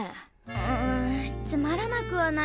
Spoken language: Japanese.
ううんつまらなくはないけど。